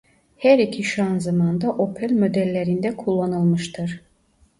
Her iki şanzıman da Opel modellerinde kullanılmıştır.